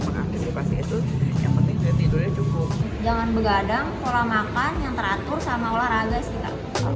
mengaktifkan itu yang penting tidurnya cukup jangan begadang pola makan yang teratur sama olahraga